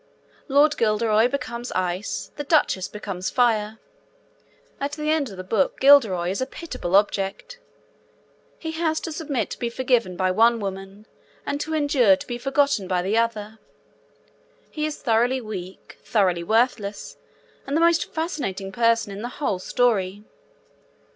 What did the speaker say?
Lady Guilderoy becomes ice; the Duchess becomes fire; at the end of the book Guilderoy is a pitiable object. He has to submit to be forgiven by one woman, and to endure to be forgotten by the other. He is thoroughly weak, thoroughly worthless, and the most fascinating person in the whole story.